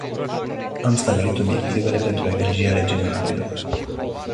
Am stabilit obiectivele pentru energia regenerabilă.